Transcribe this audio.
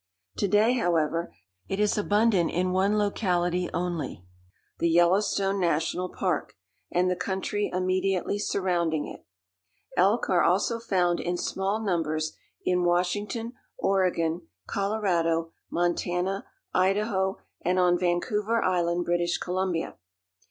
To day, however, it is abundant in one locality only the Yellowstone National Park and the country immediately surrounding it. Elk are also found in small numbers in Washington, Oregon, Colorado, Montana, Idaho and on Vancouver Island, British Columbia.